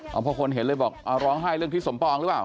เพราะคนเห็นเลยบอกร้องไห้เรื่องทิศสมปองหรือเปล่า